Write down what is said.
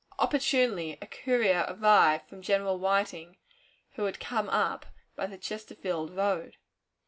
Opportunely, a courier arrived from General Whiting, who had come up the Chesterfield road.